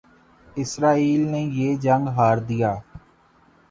اسرائیل نے یہ جنگ ہار دیا